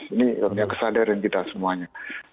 ini kesadaran kita semuanya